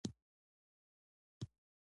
ولایتونه د خلکو د ژوند په کیفیت تاثیر کوي.